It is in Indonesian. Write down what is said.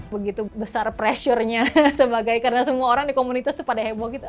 begitu besar pressure nya sebagai karena semua orang di komunitas itu pada heboh gitu